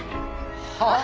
はあ？